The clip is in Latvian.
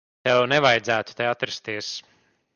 Tev nevajadzētu te atrasties.